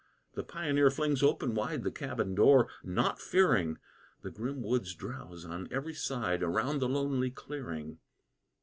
The pioneer flings open wide The cabin door, naught fearing; The grim woods drowse on every side, Around the lonely clearing.